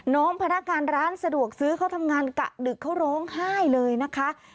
พนักงานร้านสะดวกซื้อเขาทำงานกะดึกเขาร้องไห้เลยนะคะ